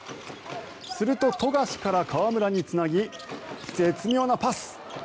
すると、富樫から河村につなぎ絶妙なパス。